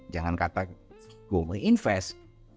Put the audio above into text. jangan kata saya mau investasi